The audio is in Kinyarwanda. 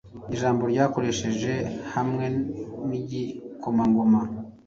Ijamboryakoreshejehamwe n igikomangoma